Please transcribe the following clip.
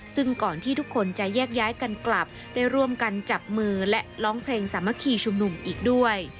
ซึ่งก่อนที่ทุกคนจะแยกย้ายกันกลับได้ร่วมกันจับมือและร้องเพลงสามัคคีชุมนุมอีกด้วย